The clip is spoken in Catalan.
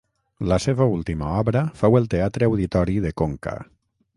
La seva última obra fou el Teatre Auditori de Conca.